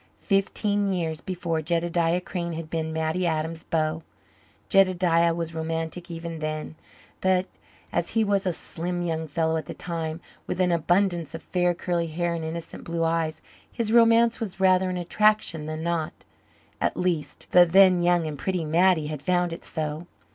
Fifteen years before Jedediah Crane had been Mattie Adams's beau. Jedediah was romantic even then, but, as he was a slim young fellow at the time, with an abundance of fair, curly hair and innocent blue eyes, his romance was rather an attraction than not. At least the then young and pretty Mattie had found it so.